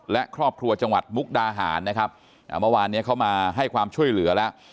และครอบครัวจังหวัดมุกดาหารนะครับเมื่อวานเนี้ยเขามาให้ความช่วยเหลือแล้ว